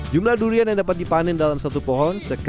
jumlah durian yang dapat dipanen dalam satu pohon